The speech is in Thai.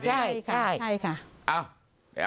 ใช่ใช่ค่ะ